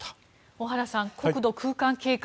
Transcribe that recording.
小原さん、国土空間計画